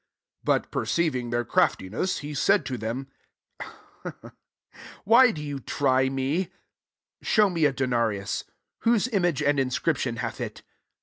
23 But per ceiving their craftiness, he said to them, ['* fVhy do you try me ^3 24 Show me a denarius. Whose image and inscription hath it?"